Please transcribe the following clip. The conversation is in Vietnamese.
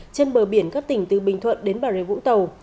trên bờ biển các tỉnh từ bình thuận đến bà rê vũng tàu